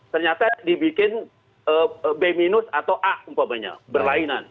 ternyata dibikin b minus atau a umpamanya berlainan